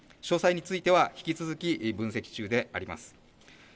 詳細については引き続き分析中であります。